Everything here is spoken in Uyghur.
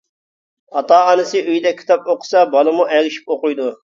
ئاتا-ئانىسى ئۆيدە كىتاب ئوقۇسا، بالىمۇ ئەگىشىپ ئوقۇيدۇ.